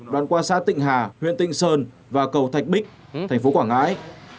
đoạn qua xã tịnh hà huyện tịnh sơn và cầu thạch bích thành phố quảng ngãi